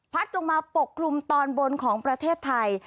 ลงมาปกคลุมตอนบนของประเทศไทย